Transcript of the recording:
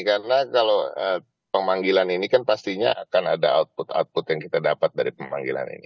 karena kalau memanggilan ini kan pastinya akan ada output output yang kita dapat dari pemanggilan